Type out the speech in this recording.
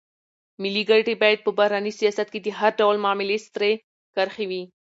ملي ګټې باید په بهرني سیاست کې د هر ډول معاملې سرې کرښې وي.